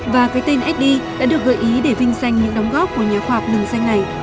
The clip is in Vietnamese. và cái tên sd đã được gợi ý để vinh danh những đóng góp của nhà khoa học đường danh này